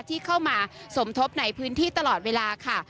ที่เข้ามาสมทบในพื้นที่ตลอดเวลาค่ะ